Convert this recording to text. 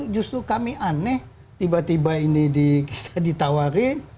justru kami aneh tiba tiba ini ditawarin